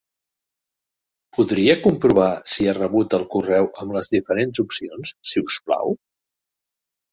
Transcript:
Podria comprovar si ha rebut el correu amb les diferents opcions, si us plau?